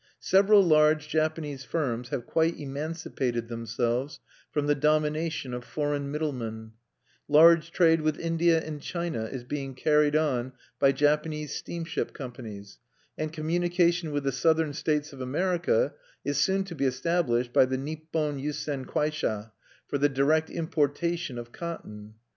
Several large Japanese firms have quite emancipated themselves from the domination of foreign middlemen; large trade with India and China is being carried on by Japanese steamship companies; and communication with the Southern States of America is soon to be established by the Nippon Yusen Kwaisha, for the direct importation of cotton.